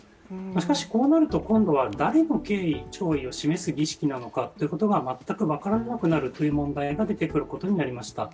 しかし、こうなると今度は誰の敬意、弔意を示す儀式なのかというのが全く分からなくなる問題が出てくることになりました。